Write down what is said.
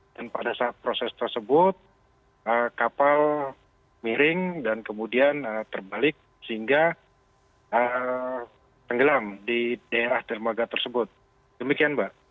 dan pada saat proses tersebut kapal miring dan kemudian terbalik sehingga tenggelam di daerah dermaga tersebut demikian mbak